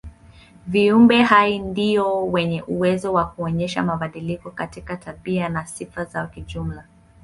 Viumbe hai ndio wenye uwezo wa kuonyesha mabadiliko katika tabia na sifa zao kijumla.